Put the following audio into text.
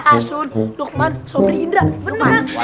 asun dukman sobri indra